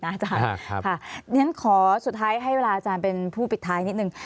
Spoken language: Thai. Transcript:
อาจารย์ขอสุดท้ายให้เวลาอาจารย์เป็นผู้ปิดท้ายนิดนึง